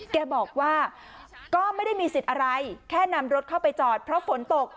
แกบอกว่าก็ไม่ได้มีสิทธิ์อะไรแค่นำรถเข้าไปจอดเพราะฝนตก